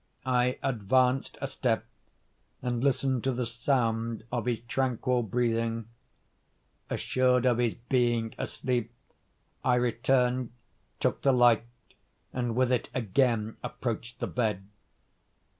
I advanced a step, and listened to the sound of his tranquil breathing. Assured of his being asleep, I returned, took the light, and with it again approached the bed.